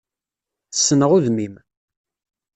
Ssneɣ udem-im.